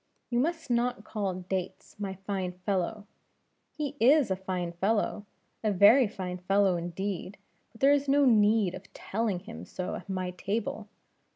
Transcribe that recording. You must not call Dates, My fine fellow. He is a fine fellow, a very fine fellow, indeed; but there is no need of telling him so at my table.